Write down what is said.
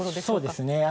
そうですね。